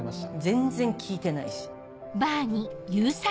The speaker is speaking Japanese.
全然聞いてないし。